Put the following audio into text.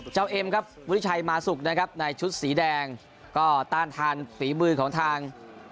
เอ็มครับวิริชัยมาสุกนะครับในชุดสีแดงก็ต้านทานฝีมือของทาง